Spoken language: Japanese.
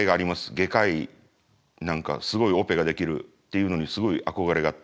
外科医なんかすごいオペができるっていうのにすごい憧れがあって。